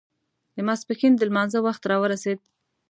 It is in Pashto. د ماسپښين د لمانځه وخت را ورسېد.